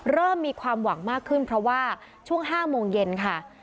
เริ่มมีความหวังมากขึ้นเพราะว่าช่วง๕โมงเย็นค่ะ